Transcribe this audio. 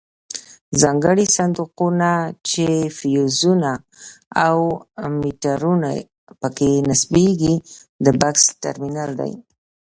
ځانګړي صندوقونه چې فیوزونه او میټرونه پکې نصبیږي د بکس ټرمینل دی.